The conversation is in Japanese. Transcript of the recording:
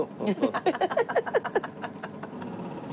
アハハハ！